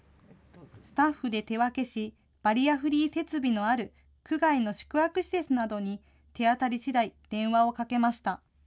スタッフで手分けし、バリアフリー設備のある区外の宿泊施設などに手当たりしだい電話